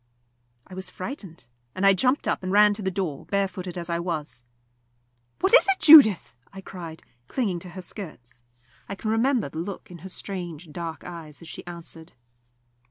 I was frightened, and I jumped up and ran to the door, barefooted as I was. "What is it, Judith?" I cried, clinging to her skirts. I can remember the look in her strange dark eyes as she answered.